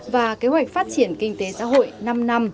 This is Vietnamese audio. và kế hoạch phát triển kinh tế xã hội năm năm